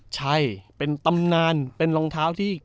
ใช่เป็นตำนานเป็นรองเท้าที่